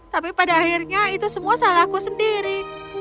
tapi pada akhirnya itu semua salahku sendiri